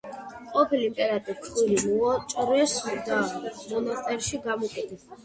ყოფილ იმპერატორს ცხვირი მოაჭრეს და მონასტერში გამოკეტეს.